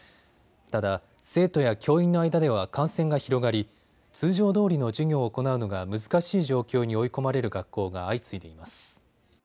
ただ、生徒や教員の間では感染が広がり通常どおりの授業を行うのが難しい状況に追い込まれる学校が相次いでいます。